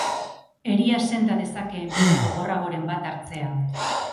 Eria senda dezakeen bide gogorragoren bat hartzea.